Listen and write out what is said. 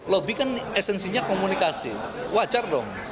lobby kan esensinya komunikasi wajar dong